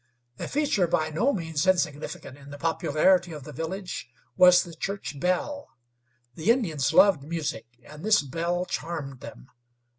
A feature by no means insignificant in the popularity of the village was the church bell. The Indians loved music, and this bell charmed them.